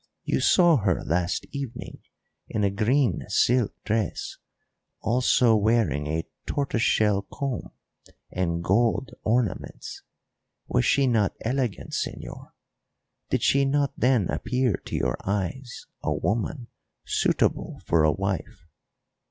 You saw her last evening in a green silk dress, also wearing a tortoise shell comb and gold ornaments was she not elegant, señor? Did she not then appear to your eyes a woman suitable for a wife?